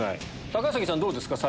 高杉さんどうですか？